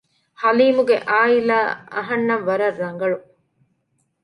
ޙަލީމުގެ ޢާއިލާ އަހަންނަށް ވަރަށް ރަނގަޅު